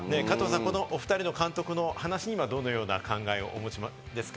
おふたりの話にはどのような考えをお持ちですか？